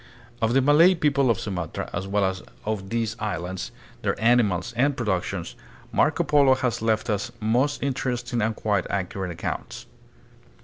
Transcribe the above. Of the Malay people of Sumatra, as well as of these islands, their animals and productions, Marco Polo has left us most interesting and quite accurate accounts.